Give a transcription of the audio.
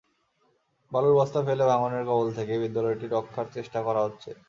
বালুর বস্তা ফেলে ভাঙনের কবল থেকে বিদ্যালয়টি রক্ষার চেষ্টা করা হচ্ছে।